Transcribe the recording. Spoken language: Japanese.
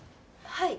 はい。